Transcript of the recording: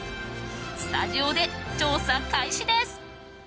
スタジオで調査開始です！